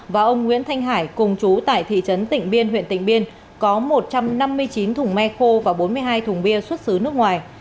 và ông nguyễn thanh hải cùng chú tại thị trấn tỉnh biên huyện tỉnh biên có một trăm năm mươi chín thùng me khô và bốn mươi hai thùng bia xuất xứ nước ngoài